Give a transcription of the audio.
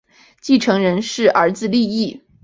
继承人是儿子利意。